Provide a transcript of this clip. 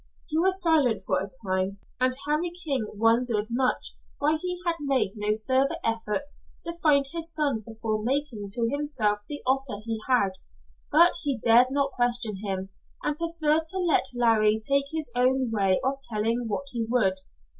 He was silent for a time, and Harry King wondered much why he had made no further effort to find his son before making to himself the offer he had, but he dared not question him, and preferred to let Larry take his own way of telling what he would.